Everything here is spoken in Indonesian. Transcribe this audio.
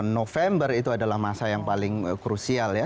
november itu adalah masa yang paling krusial ya